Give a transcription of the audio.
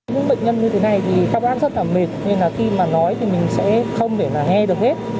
những bệnh nhân như thế này thì các bác rất là mệt nên là khi mà nói thì mình sẽ không thể là nghe được hết